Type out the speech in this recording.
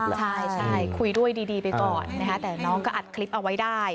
ใช่คุยด้วยดีไปก่อนนะคะแต่น้องก็อัดคลิปเอาไว้ได้